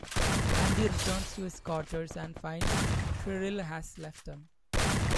Andy returns to his quarters and finds Shirl has left him.